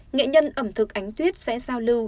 nghệ nhân ẩm thực ánh tuyết sẽ giao lưu